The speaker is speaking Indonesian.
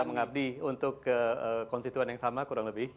mengabdi untuk konstituen yang sama kurang lebih